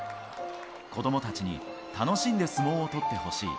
子どもたちに楽しんで相撲を取ってほしい。